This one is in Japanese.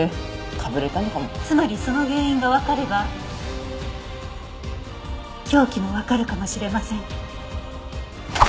つまりその原因がわかれば凶器もわかるかもしれません。